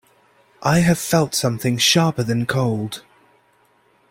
I have felt something sharper than cold.